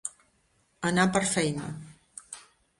Anar per feina.